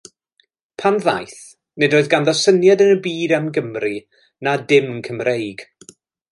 Pan ddaeth, nid oedd ganddo syniad yn y byd am Gymru na dim Cymreig.